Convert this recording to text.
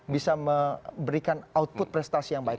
bisa memberikan output prestasi yang baik